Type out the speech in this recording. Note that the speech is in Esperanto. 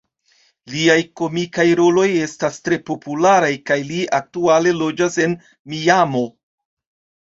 Liaj komikaj roloj estas tre popularaj, kaj li aktuale loĝas en Miamo.